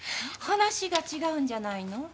話が違うんじゃないの？